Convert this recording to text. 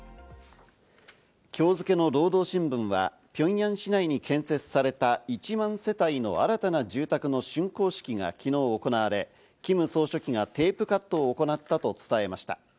今日付けの労働新聞はピョンヤン市内に建設された１万世帯の新たな住宅の竣工式が昨日行われ、キム総書記がテープカットを行ったと伝えました。